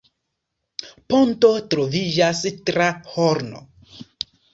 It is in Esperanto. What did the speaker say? Ponto troviĝas tra Hron.